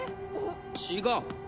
違う！